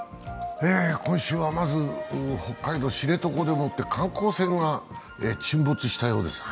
今週はまず北海道・知床でもって観光船が沈没したようです。